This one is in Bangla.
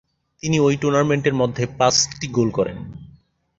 তিনি ওই টুর্নামেন্ট এর মধ্যে পাঁচটি গোল করে।